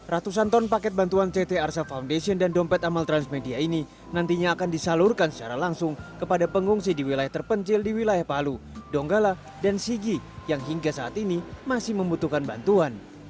ratusan ton paket bantuan ct arsa foundation dan dompet amal transmedia ini nantinya akan disalurkan secara langsung kepada pengungsi di wilayah terpencil di wilayah palu donggala dan sigi yang hingga saat ini masih membutuhkan bantuan